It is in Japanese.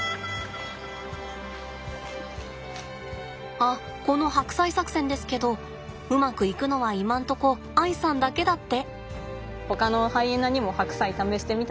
あっこの白菜作戦ですけどうまくいくのは今んとこ愛さんだけだって。